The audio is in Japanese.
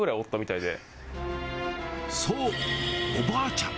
そう、おばあちゃん。